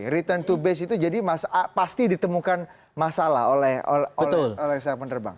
return to base itu jadi pasti ditemukan masalah oleh seorang penerbang